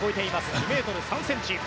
２ｍ３ｃｍ。